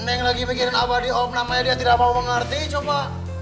neng lagi mikirin apa diom namanya dia tidak mau mengerti coba